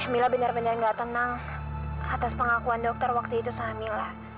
mila benar benar nggak tenang atas pengakuan dokter waktu itu sahamila